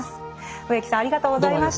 植木さんありがとうございました。